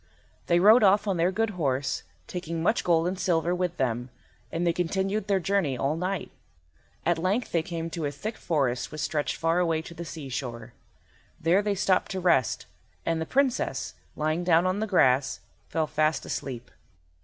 They rode off on their good horse, taking much gold and silver with them, and they continued their journey all night. At length they came to a thick forest which stretched far away to the seashore. There they stopped to rest, and the Princess, lying down on the grass, fell fast asleep.